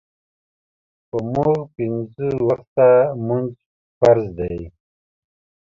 پۀ مونږ پينځۀ وخته مونځ فرض دے